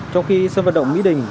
trong khi sân vận động mỹ đình